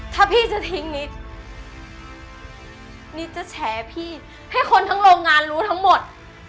ถ้าพี่จะทิ้งนิดนิดจะแฉพี่ให้คนทั้งโรงงานรู้ทั้งหมด